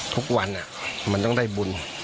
ทุกวันมันต้องได้บุญ